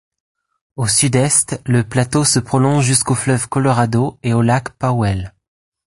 Au sud-est, le plateau se prolonge jusqu'au fleuve Colorado et au lac Powell.